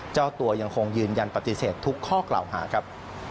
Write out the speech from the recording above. เจ้าตัวยังคงยืนยันปฏิเสธทุกข้อกล่าวหาครับ